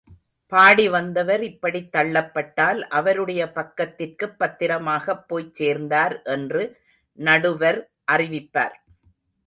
பாடி வந்தவர் இப்படித் தள்ளப்பட்டால், அவருடைய பக்கத்திற்குப் பத்திரமாகப் போய்ச் சேர்ந்தார் என்று நடுவர் அறிவிப்பார்.